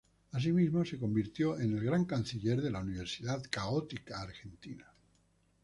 Asimismo, se convirtió en el Gran Canciller de la Universidad Católica Argentina.